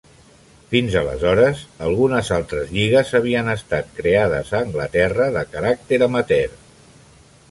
Fins aleshores, algunes altres lligues havien estat creades a Anglaterra de caràcter amateur.